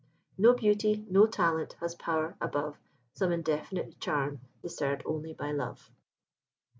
No beauty, no talent, has power above Some indefinite charm discern'd only by love.